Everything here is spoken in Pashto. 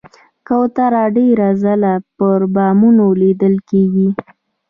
کوتره ډېر ځله پر بامونو لیدل کېږي.